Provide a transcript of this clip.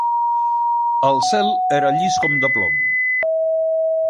El cel era llis com de plom